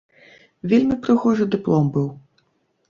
Вельмі прыгожы дыплом быў.